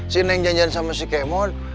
si neng janjian sama si kemot